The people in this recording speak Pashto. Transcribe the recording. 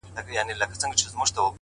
• د لاسونو په پياله کې اوښکي راوړې؛